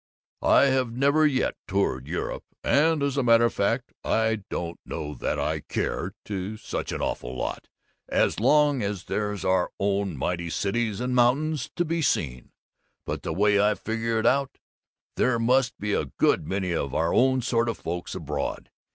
"'I have never yet toured Europe and as a matter of fact, I don't know that I care to such an awful lot, as long as there's our own mighty cities and mountains to be seen but, the way I figure it out, there must be a good many of our own sort of folks abroad.